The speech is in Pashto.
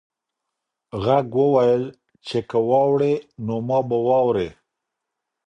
غږ وویل چې که واوړې نو ما به واورې.